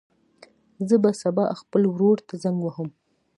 زه به سبا خپل ورور ته زنګ ووهم.